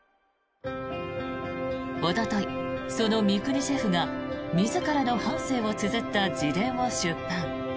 おととい、その三國シェフが自らの半生をつづった自伝を出版。